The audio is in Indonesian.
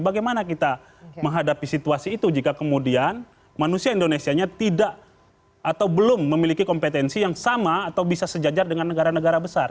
bagaimana kita menghadapi situasi itu jika kemudian manusia indonesia nya tidak atau belum memiliki kompetensi yang sama atau bisa sejajar dengan negara negara besar